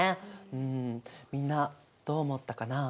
うんみんなどう思ったかな？